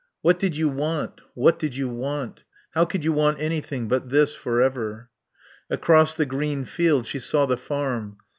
What did you want? What did you want? How could you want anything but this for ever? Across the green field she saw the farm.